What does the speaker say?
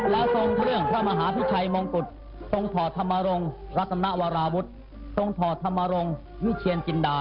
แล้วทรงเครื่องพระมหาพิชัยมงกุฎทรงถอดธรรมรงค์รัตนวราวุฒิทรงถอดธรรมรงค์วิเชียนจินดา